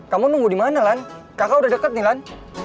kamu nunggu dimana lan kakak udah dekat nih lan